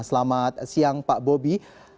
selamat siang pak bobi